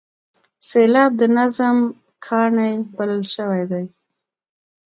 سېلاب د نظم کاڼی بلل شوی دی.